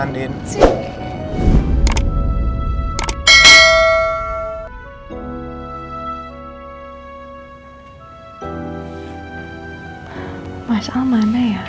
karena sudah menepati janji